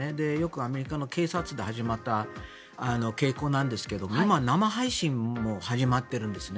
アメリカの警察で始まった傾向なんですが今、生配信も始まっているんですね。